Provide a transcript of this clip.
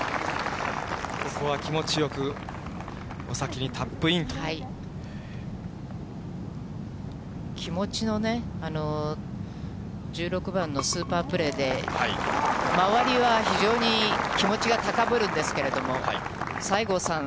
ここは気持ちよく、気持ちのね、１６番のスーパープレーで、周りは非常に気持ちが高ぶるんですけれども、西郷さん